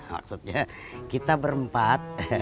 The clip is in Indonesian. maksudnya kita berempat